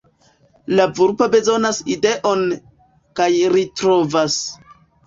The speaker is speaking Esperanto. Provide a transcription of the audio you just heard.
La vulpo bezonas ideon... kaj ri trovas!